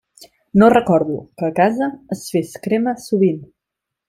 No recordo que a casa es fes crema sovint.